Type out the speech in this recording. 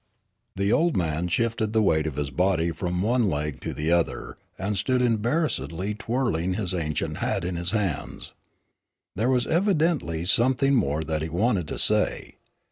The old man shifted the weight of his body from one leg to the other and stood embarrassedly twirling his ancient hat in his hands. There was evidently something more that he wanted to say.